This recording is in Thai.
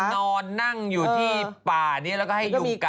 คงเป็นนอนนั่งอยู่ที่ป่านี้